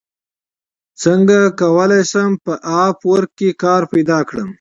څنګه کولی شم په اپ ورک کې کار پیدا کړم